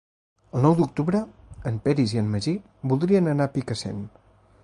El nou d'octubre en Peris i en Magí voldrien anar a Picassent.